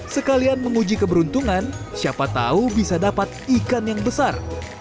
sekalian menguji keberuntungan siapa tahu bisa dapat ikan yang besar